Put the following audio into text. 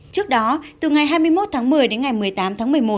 trước đó từ ngày hai mươi một tháng một mươi đến ngày một mươi tám tháng một mươi một